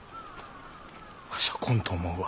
わしゃ来んと思うわ。